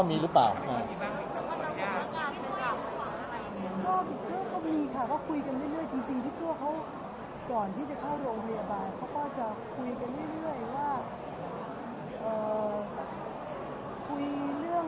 ส่วนเพียรมมีค่ะก็คุยกันเรื่อยจริง